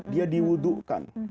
dia di wudhukan